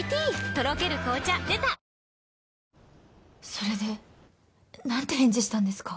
それでなんて返事したんですか？